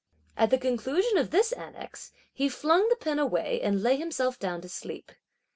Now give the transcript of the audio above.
At the conclusion of this annex, he flung the pen away, and lay himself down to sleep.